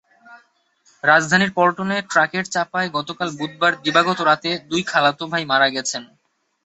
রাজধানীর পল্টনে ট্রাকের চাপায় গতকাল বুধবার দিবাগত রাতে দুই খালাতো ভাই মারা গেছেন।